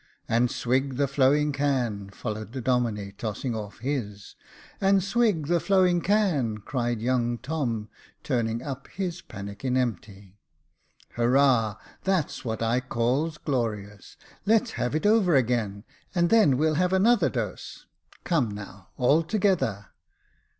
" And swig the flowing can —" followed the Domine, tossing ofFhis. " And swig the flowing can —" cried young Tom, turning up his pannikin empty. Hurrah ! that's what I calls glorious. Let's have it over again, and then we'll have another dose. Come, now, all together."